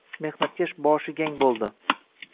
Mehnatkash boshi gang bo‘ldi